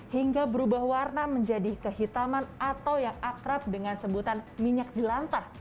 hingga berubah warna menjadi kehitaman atau yang akrab dengan sebutan minyak jelantah